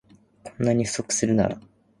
こんなに不足するなら